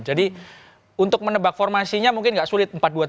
jadi untuk menebak formasinya mungkin tidak sulit empat dua tiga satu